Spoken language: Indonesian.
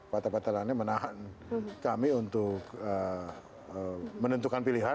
pata patanya menahan kami untuk menentukan pilihan